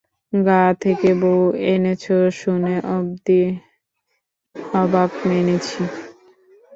গা থেকে বৌ এনেছ শুনে অবধি অবাক মেনেছি।